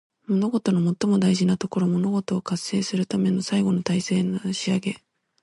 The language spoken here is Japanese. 物事の最も大切なところ。物事を完成するための最後の大切な仕上げ。